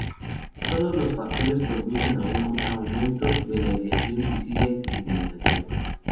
Todos estos factores conducen a un aumento de la ideación suicida y su finalización.